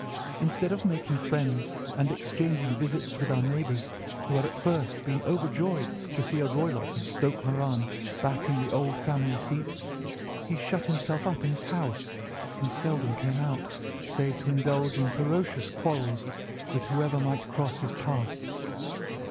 Instead of making friends and exchanging visits with our neighbours, who had at first been overjoyed to see a Roylott of Stoke Moran back in the old family seat, he shut himself up in his house and seldom came out save to indulge in ferocious quarrels with whoever might cross his path.